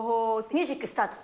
ミュージックスタート。